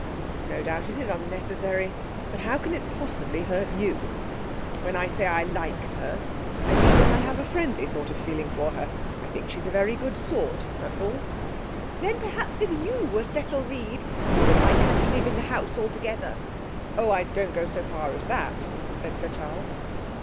'No doubt it is unnecessary, but how can it possibly hurt you? When I say I like her, I mean that I have a friendly sort of feeling for her. I think she's a very good sort, that's all.' 'Then perhaps if you were Cecil Reeve you would like her to live in the house altogether?' 'Oh, I don't go so far as that,' said Sir Charles.